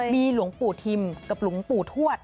มีหลวงปู่ทิมกับหลวงปู่ทวด